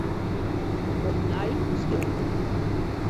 Opnij skilje.